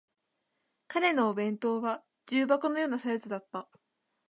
彼のお弁当は重箱のようなサイズだった